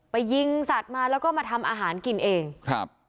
ยิงสัตว์มาแล้วก็มาทำอาหารกินเองครับ